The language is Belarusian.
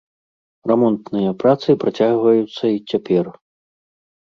Рамонтныя працы працягваюцца й цяпер.